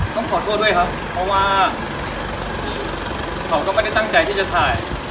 ต้องขอโทษด้วยครับเพราะว่าเขาก็ไม่ได้ตั้งใจที่จะถ่าย